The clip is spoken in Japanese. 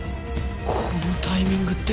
このタイミングって。